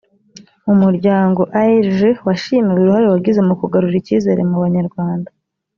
umuryango aerg washimiwe uruhare wagize mu kugarura icyizere mu banyarwanda